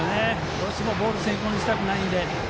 どうしてもボール先行にはしたくないので。